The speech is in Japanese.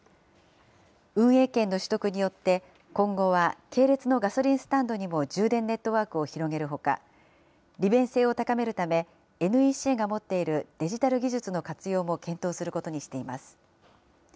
運営権の取得によって今後は、系列のガソリンスタンドにも充電ネットワークを広げるほか、利便性を高めるため、ＮＥＣが持っているデジタル技術の活用も検討することにしています。